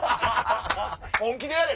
「本気でやれ」